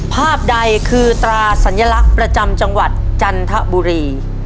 ภาพใดคือตราสัญลักษณ์ประจำจังหวัดจันทบุรี